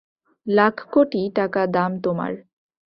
লাখ-কোটি টাকা দাম তোমার।